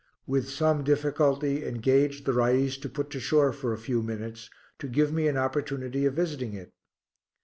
With some difficulty engaged the Rais to put to shore for a few minutes, to give me an opportunity of visiting it.